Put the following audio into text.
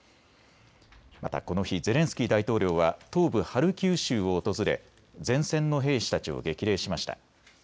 また、この日ゼレンスキー大統領は東部ハルキウ州を訪れ前線の兵士たちを激励しました。